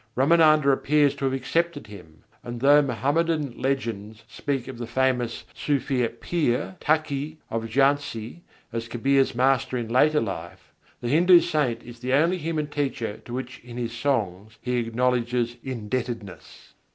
Râmânanda appears to have accepted him, and though Mohammedan legends speak of the famous Sûfî Pîr, Takkî of Jhansî, as Kabîr's master in later life, the Hindu saint is the only human teacher to whom in his songs he acknowledges indebtedness.